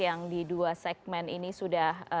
yang di dua segmen ini sudah